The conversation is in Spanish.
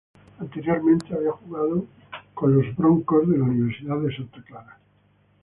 Anteriormente había jugado por los Broncos de la Universidad de Santa Clara.